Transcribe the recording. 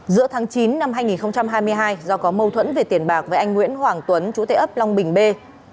giữa tháng chín năm hai nghìn hai mươi hai do có mâu thuẫn về tiền bạc với anh nguyễn hoàng tuấn chú tệ ấp long bình bê